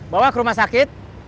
bawa ke rumah sakit